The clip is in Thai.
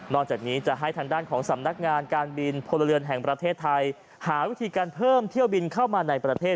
จากนี้จะให้ทางด้านของสำนักงานการบินพลเรือนแห่งประเทศไทยหาวิธีการเพิ่มเที่ยวบินเข้ามาในประเทศ